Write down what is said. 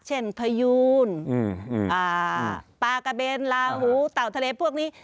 เช่นพยูนปากเบนลาหูเต่าทะเลพวกนี้